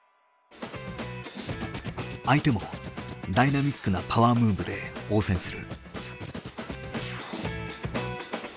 相手もダイナミックなパワームーブで応戦する。